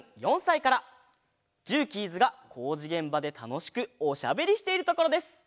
ジューキーズがこうじげんばでたのしくおしゃべりしているところです。